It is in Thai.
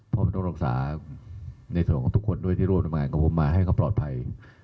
เพราะมันต้องรักษาในส่วนของทุกคนด้วยที่ร่วมทำงานกับผมมาให้เขาปลอดภัย